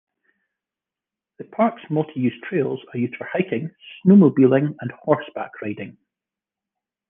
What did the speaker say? The park's multi-use trails are used for hiking, snowmobiling and horseback riding.